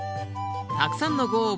たくさんのご応募